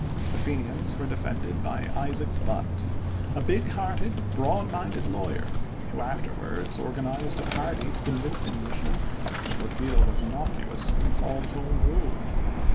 The Fenians were defended by Isaac Butt, a big hearted, broad minded lawyer, who afterwards organized a party to convince Englishmen that Repeal was innocuous, when called "Home Rule."